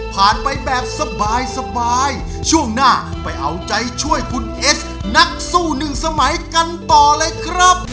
ไปแบบสบายช่วงหน้าไปเอาใจช่วยคุณเอสนักสู้หนึ่งสมัยกันต่อเลยครับ